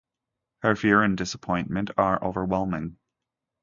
Her fear and disappointment are overwhelming.